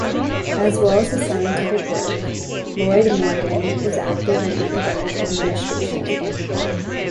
As well as his scientific work, Lloyd Morgan was active in academic administration.